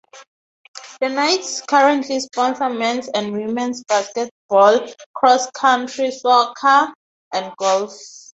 The Knights currently sponsor men's and women's basketball, cross country, soccer and golf.